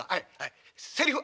セリフ？